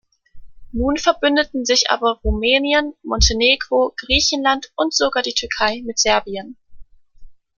Nun verbündeten sich aber Rumänien, Montenegro, Griechenland und sogar die Türkei mit Serbien.